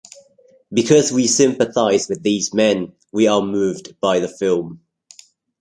Because we sympathize with these men, we are moved by the film.